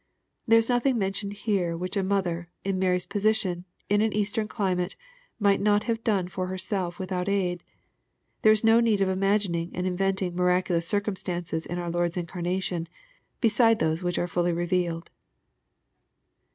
There is nothing mentioned here which a mother, in Mary's position, in an Eastern climate, might not have done for herself without aid. There is no need of imagining and inventing miraculous circum stances in our Lord's incarnation, beside those which are fully revealed.